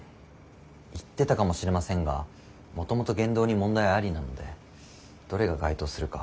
言ってたかもしれませんがもともと言動に問題ありなのでどれが該当するか。